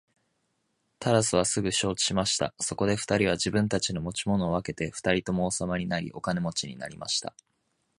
タラスはすぐ承知しました。そこで二人は自分たちの持ち物を分けて二人とも王様になり、お金持になりました。